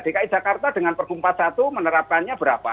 dki jakarta dengan perhubungan satu menerapkannya berapa